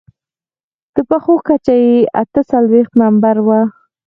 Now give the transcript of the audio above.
د پښو کچه يې اته څلوېښت نمبره وه.